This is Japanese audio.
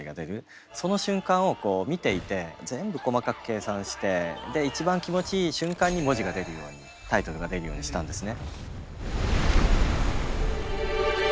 その瞬間をこう見ていて全部細かく計算して一番気持ちいい瞬間に文字が出るようにタイトルが出るようにしたんですね。